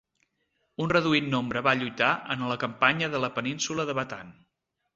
Un reduït nombre va lluitar en la Campanya de la península de Batan.